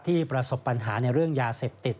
ประสบปัญหาในเรื่องยาเสพติด